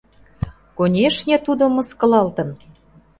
Конешне, тудо мыскылалтын!